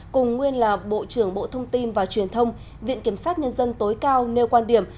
cùng nguyên là bộ trưởng bộ thông tin và truyền thông viện kiểm sát nhân dân tối cao nêu quan điểm